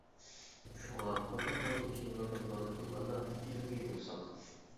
شۇڭا بۇنداق نازۇك تېمىلاردا مۇنازىرە قىلغاندا ئىلمىي بولساق.